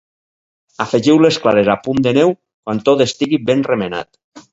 Afegiu les clares a punt de neu quan tot estigui ben remenat.